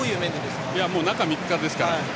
中３日ですから。